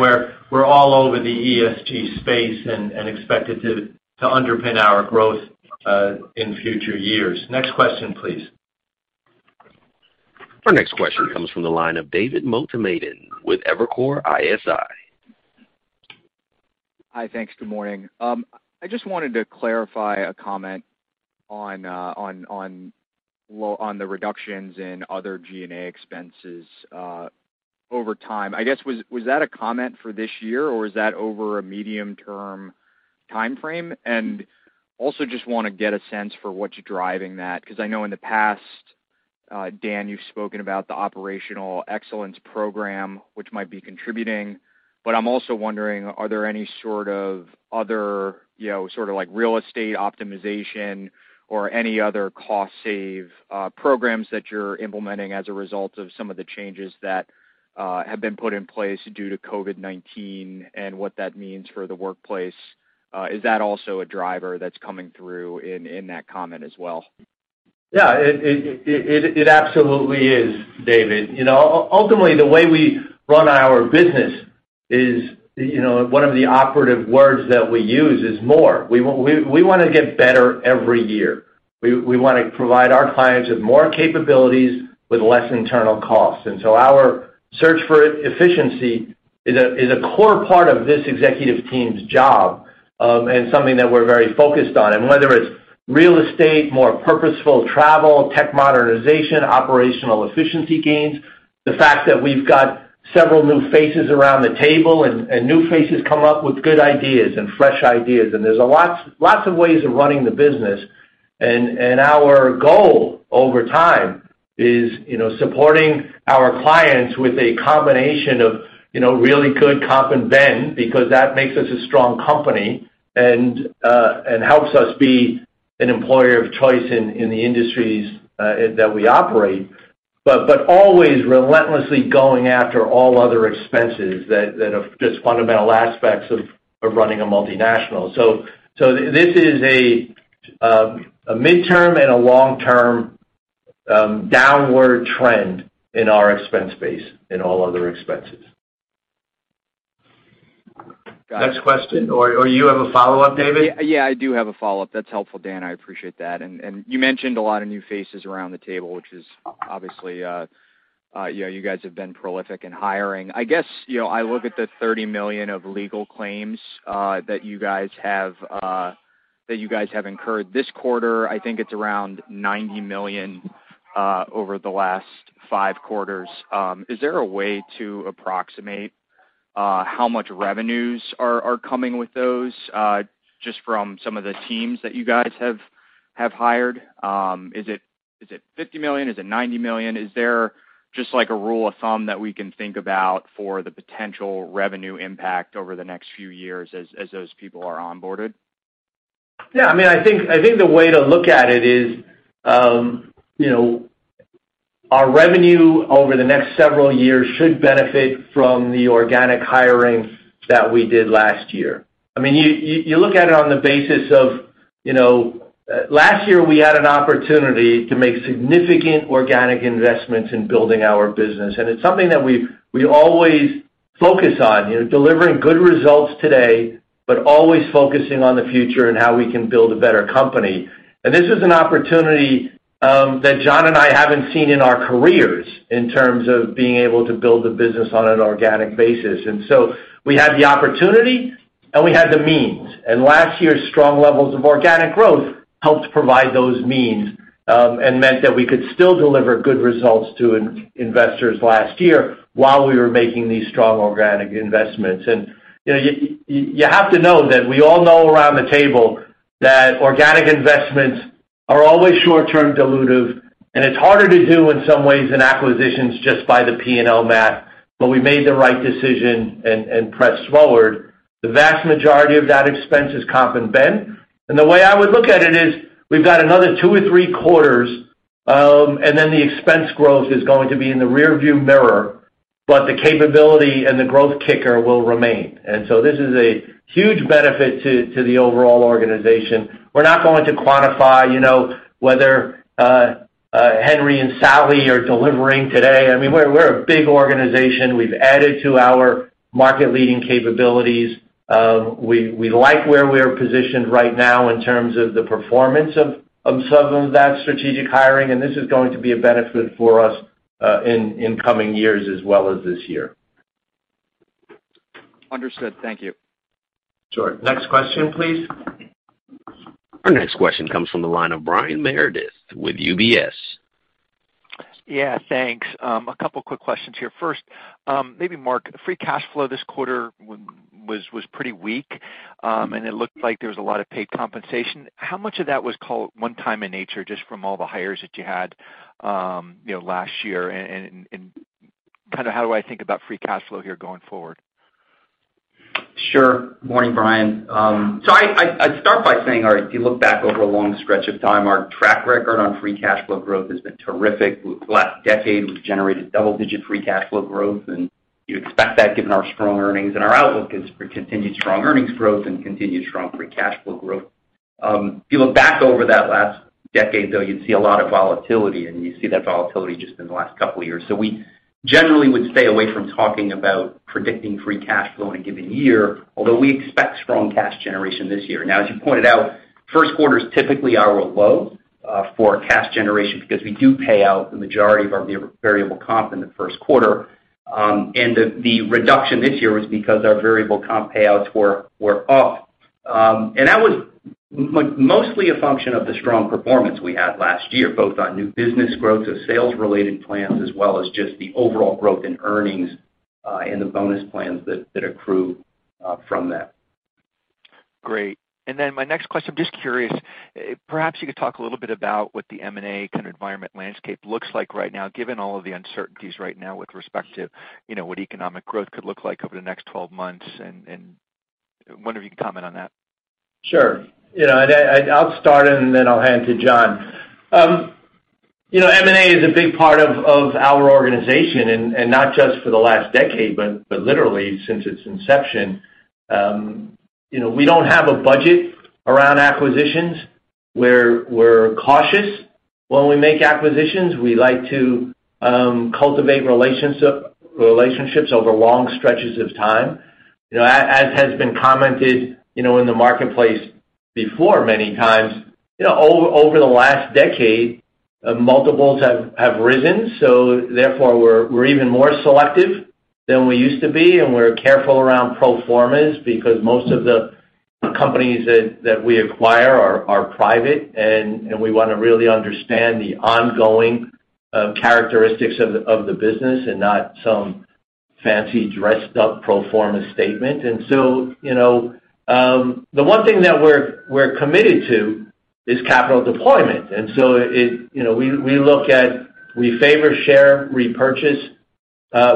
we're all over the ESG space and expect it to underpin our growth in future years. Next question, please. Our next question comes from the line of David Motemaden with Evercore ISI. Hi. Thanks. Good morning. I just wanted to clarify a comment on the reductions in other G&A expenses over time. I guess, was that a comment for this year, or is that over a medium-term timeframe? I also just wanna get a sense for what's driving that. 'Cause I know in the past, Dan, you've spoken about the operational excellence program, which might be contributing. I'm also wondering, are there any sort of other, you know, sort of like real estate optimization or any other cost save programs that you're implementing as a result of some of the changes that have been put in place due to COVID-19 and what that means for the workplace? Is that also a driver that's coming through in that comment as well? Yeah. It absolutely is, David. You know, ultimately, the way we run our business is, you know, one of the operative words that we use is more. We wanna get better every year. We wanna provide our clients with more capabilities with less internal costs. Our search for efficiency is a core part of this executive team's job, and something that we're very focused on. Whether it's real estate, more purposeful travel, tech modernization, operational efficiency gains, the fact that we've got several new faces around the table and new faces come up with good ideas and fresh ideas, and there's lots of ways of running the business. Our goal over time is, you know, supporting our clients with a combination of, you know, really good comp and ben because that makes us a strong company and helps us be an employer of choice in the industries that we operate. Always relentlessly going after all other expenses that are just fundamental aspects of running a multinational. This is a midterm and a long-term downward trend in our expense base in all other expenses. Next question. You have a follow-up, David? Yeah, I do have a follow-up. That's helpful, Dan, I appreciate that. You mentioned a lot of new faces around the table, which is obviously, you know, you guys have been prolific in hiring. I guess, you know, I look at the $30 million of legal claims that you guys have incurred this quarter. I think it's around $90 million over the last five quarters. Is there a way to approximate how much revenues are coming with those just from some of the teams that you guys have hired? Is it $50 million? Is it $90 million? Is there just like a rule of thumb that we can think about for the potential revenue impact over the next few years as those people are onboarded? Yeah. I mean, I think the way to look at it is, you know, our revenue over the next several years should benefit from the organic hiring that we did last year. I mean, you look at it on the basis of, you know, last year, we had an opportunity to make significant organic investments in building our business, and it's something that we always focus on, you know, delivering good results today, but always focusing on the future and how we can build a better company. This is an opportunity that John and I haven't seen in our careers in terms of being able to build a business on an organic basis. We had the opportunity, and we had the means. Last year's strong levels of organic growth helped provide those means, and meant that we could still deliver good results to investors last year while we were making these strong organic investments. You know, you have to know that we all know around the table that organic investments are always short-term dilutive, and it's harder to do in some ways than acquisitions just by the P&L math, but we made the right decision and pressed forward. The vast majority of that expense is comp and ben. The way I would look at it is we've got another two or three quarters, and then the expense growth is going to be in the rearview mirror, but the capability and the growth kicker will remain. This is a huge benefit to the overall organization. We're not going to quantify, you know, whether Henry and Sally are delivering today. I mean, we're a big organization. We've added to our market-leading capabilities. We like where we're positioned right now in terms of the performance of some of that strategic hiring, and this is going to be a benefit for us, in coming years as well as this year. Understood. Thank you. Sure. Next question, please. Our next question comes from the line of Brian Meredith with UBS. Yeah. Thanks. A couple quick questions here. First, maybe Mark, free cash flow this quarter was pretty weak, and it looked like there was a lot of paid compensation. How much of that was one-time in nature just from all the hires that you had, you know, last year? Kind of how do I think about free cash flow here going forward? Sure. Morning, Brian. I'd start by saying our, if you look back over a long stretch of time, our track record on free cash flow growth has been terrific. Well, last decade, we've generated double-digit free cash flow growth, and you'd expect that given our strong earnings. Our outlook is for continued strong earnings growth and continued strong free cash flow growth. If you look back over that last decade, though, you'd see a lot of volatility, and you see that volatility just in the last couple years. We generally would stay away from talking about predicting free cash flow in a given year, although we expect strong cash generation this year. Now, as you pointed out, first quarter's typically are low for cash generation because we do pay out the majority of our variable comp in the first quarter. The reduction this year was because our variable comp payouts were up. That was mostly a function of the strong performance we had last year, both on new business growth, so sales related plans, as well as just the overall growth in earnings, and the bonus plans that accrue from that. Great. My next question, just curious, perhaps you could talk a little bit about what the M&A kind of environment landscape looks like right now, given all of the uncertainties right now with respect to, you know, what economic growth could look like over the next 12 months, and wonder if you could comment on that. Sure. You know, I'll start, and then I'll hand to John. M&A is a big part of our organization, and not just for the last decade, but literally since its inception. We don't have a budget around acquisitions. We're cautious when we make acquisitions. We like to cultivate relationships over long stretches of time. As has been commented in the marketplace before many times, over the last decade, multiples have risen, so therefore we're even more selective than we used to be, and we're careful around pro formas because most of the companies that we acquire are private and we wanna really understand the ongoing characteristics of the business and not some fancy dressed up pro forma statement. You know, the one thing that we're committed to is capital deployment. You know, we look at, we favor share repurchase,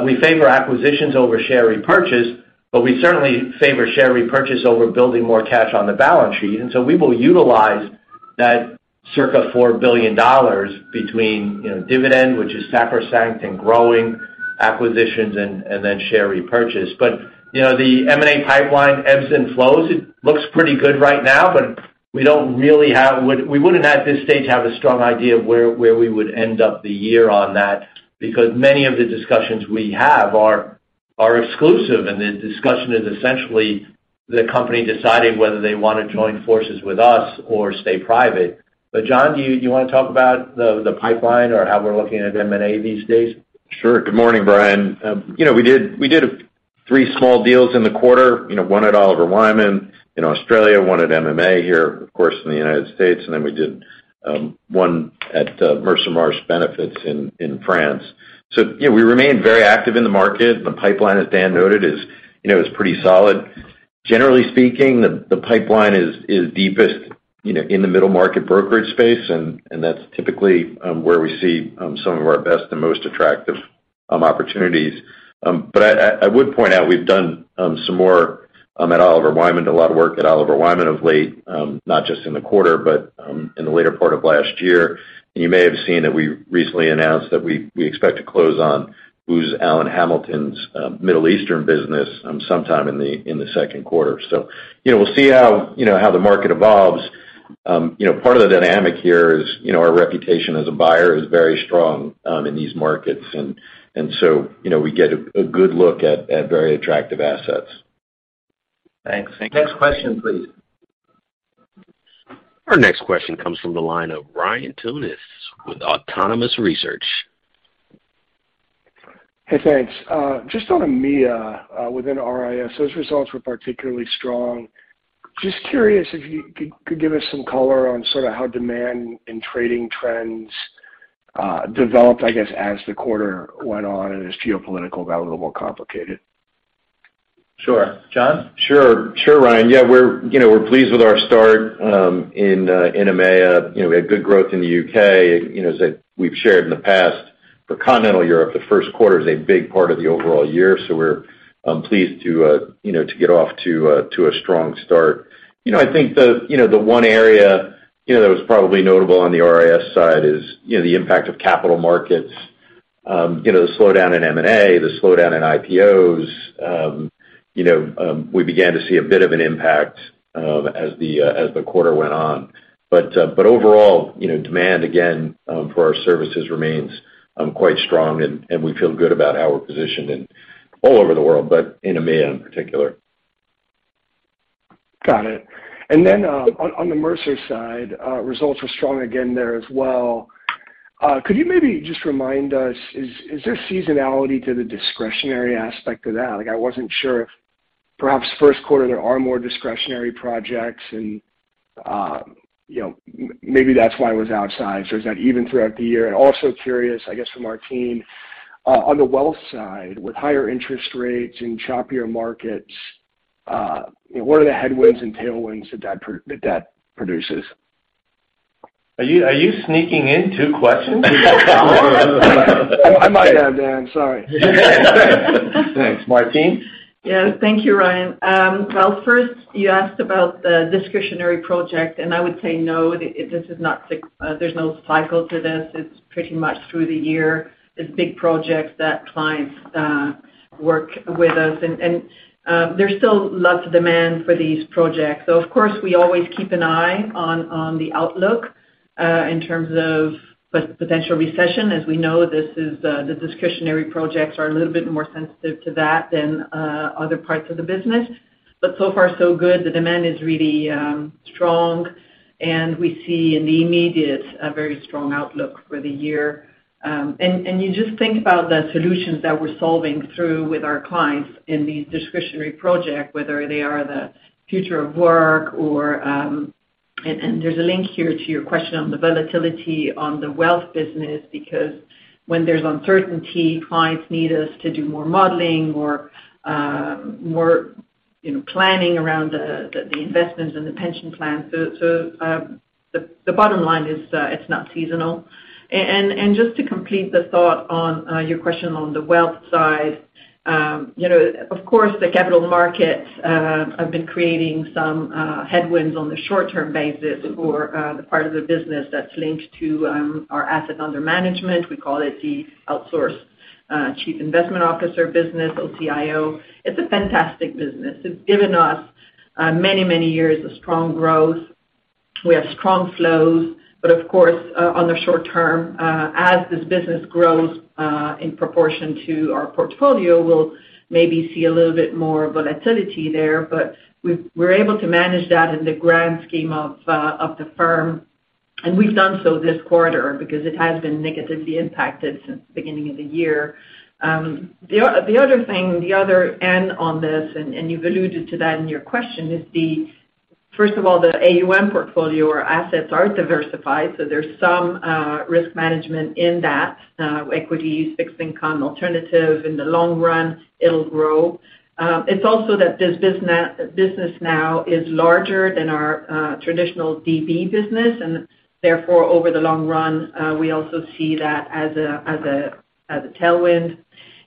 we favor acquisitions over share repurchase, but we certainly favor share repurchase over building more cash on the balance sheet. We will utilize that circa $4 billion between, you know, dividend, which is sacrosanct and growing, acquisitions and then share repurchase. You know, the M&A pipeline ebbs and flows. It looks pretty good right now, but we wouldn't at this stage have a strong idea of where we would end up the year on that because many of the discussions we have are exclusive, and the discussion is essentially the company deciding whether they wanna join forces with us or stay private. John, do you wanna talk about the pipeline or how we're looking at M&A these days? Sure. Good morning, Brian. You know, we did three small deals in the quarter. You know, one at Oliver Wyman in Australia, one at MMA here, of course, in the United States, and then we did one at Mercer Marsh Benefits in France. You know, we remain very active in the market. The pipeline, as Dan noted, is pretty solid. Generally speaking, the pipeline is deepest in the middle market brokerage space, and that's typically where we see some of our best and most attractive opportunities. But I would point out we've done some more at Oliver Wyman, a lot of work at Oliver Wyman of late, not just in the quarter, but in the later part of last year. You may have seen that we recently announced that we expect to close on Booz Allen Hamilton's Middle Eastern business sometime in the second quarter. We'll see how the market evolves. You know, part of the dynamic here is our reputation as a buyer is very strong in these markets. You know, we get a good look at very attractive assets. Thanks. Next question, please. Our next question comes from the line of Ryan Tunis with Autonomous Research. Hey, thanks. Just on EMEA, within RIS, those results were particularly strong. Just curious if you could give us some color on sort of how demand and trading trends developed, I guess, as the quarter went on and as geopolitical got a little more complicated. Sure. John? Sure, Ryan. Yeah, we're pleased with our start in EMEA. You know, we had good growth in the U.K. You know, as we've shared in the past, for Continental Europe, the first quarter is a big part of the overall year, so we're pleased to get off to a strong start. You know, I think the one area that was probably notable on the RIS side is the impact of capital markets. You know, the slowdown in M&A, the slowdown in IPOs, you know, we began to see a bit of an impact as the quarter went on. overall, you know, demand again for our services remains quite strong and we feel good about how we're positioned in all over the world, but in EMEA in particular. Got it. On the Mercer side, results were strong again there as well. Could you maybe just remind us, is there seasonality to the discretionary aspect of that? Like, I wasn't sure if perhaps first quarter there are more discretionary projects and, you know, maybe that's why it was outsized, or is that even throughout the year? Also curious, I guess from our team, on the wealth side, with higher interest rates and choppier markets, you know, what are the headwinds and tailwinds that that produces? Are you sneaking in two questions? I might have, Dan, sorry. Thanks. Martine? Thank you, Ryan. First you asked about the discretionary project, and I would say no, there's no cycle to this. It's pretty much through the year. It's big projects that clients work with us. There's still lots of demand for these projects. Of course, we always keep an eye on the outlook in terms of potential recession. As we know, the discretionary projects are a little bit more sensitive to that than other parts of the business. So far so good. The demand is really strong, and we see in the immediate a very strong outlook for the year. You just think about the solutions that we're solving through with our clients in the discretionary project, whether they are the future of work or There's a link here to your question on the volatility on the wealth business, because when there's uncertainty, clients need us to do more modeling or more, you know, planning around the investments and the pension plan. The bottom line is, it's not seasonal. Just to complete the thought on your question on the wealth side, you know, of course, the capital markets have been creating some headwinds on the short-term basis for the part of the business that's linked to our assets under management. We call it the outsourced chief investment officer business, OCIO. It's a fantastic business. It's given us many years of strong growth. We have strong flows, but of course, on the short term, as this business grows, in proportion to our portfolio, we'll maybe see a little bit more volatility there. We're able to manage that in the grand scheme of the firm, and we've done so this quarter because it has been negatively impacted since the beginning of the year. The other thing, the other end of this, and you've alluded to that in your question, is that. First of all, the AUM portfolio or assets are diversified, so there's some risk management in that, equities, fixed income, alternative. In the long run, it'll grow. It's also that this business now is larger than our traditional DB business, and therefore, over the long run, we also see that as a tailwind.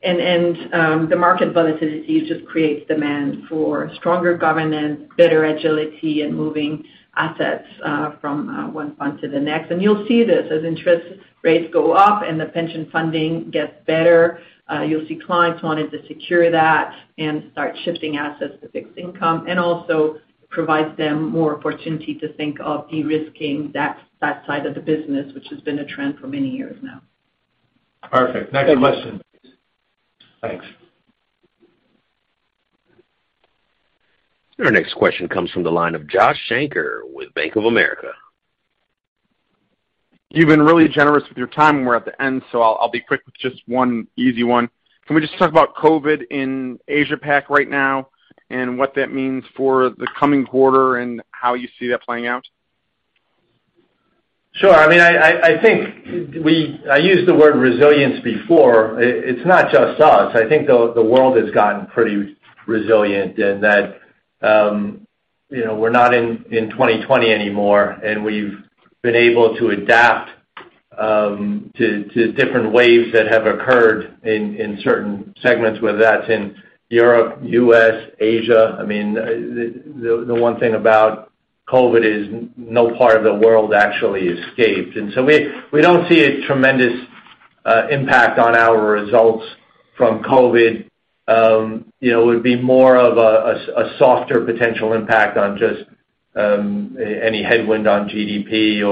The market volatility just creates demand for stronger governance, better agility, and moving assets from one fund to the next. You'll see this. As interest rates go up and the pension funding gets better, you'll see clients wanting to secure that and start shifting assets to fixed income. Also provides them more opportunity to think of de-risking that side of the business, which has been a trend for many years now. Perfect. Next question. Thanks. Our next question comes from the line of Josh Shanker with Bank of America. You've been really generous with your time, and we're at the end, so I'll be quick with just one easy one. Can we just talk about COVID in Asia Pac right now and what that means for the coming quarter and how you see that playing out? Sure. I mean, I think I used the word resilience before. It's not just us. I think the world has gotten pretty resilient in that, you know, we're not in 2020 anymore, and we've been able to adapt to different waves that have occurred in certain segments, whether that's in Europe, U.S., Asia. I mean, the one thing about COVID is no part of the world actually escaped. We don't see a tremendous impact on our results from COVID. You know, it would be more of a softer potential impact on just any headwind on GDP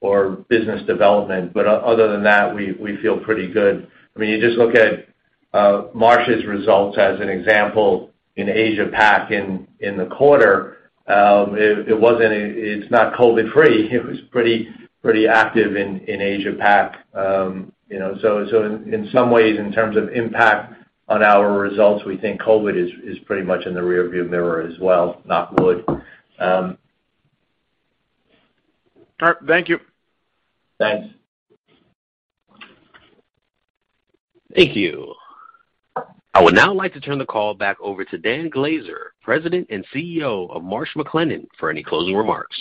or business development. Other than that, we feel pretty good. I mean, you just look at Marsh's results as an example in Asia Pac in the quarter. It wasn't. It's not COVID-free. It was pretty active in Asia Pac. You know, so in some ways, in terms of impact on our results, we think COVID is pretty much in the rearview mirror as well, knock on wood. All right. Thank you. Thanks. Thank you. I would now like to turn the call back over to Dan Glaser, President and CEO of Marsh McLennan, for any closing remarks.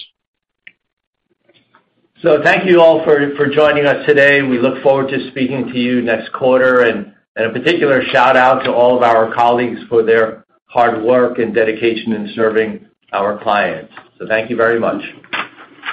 Thank you all for joining us today. We look forward to speaking to you next quarter. A particular shout-out to all of our colleagues for their hard work and dedication in serving our clients. Thank you very much.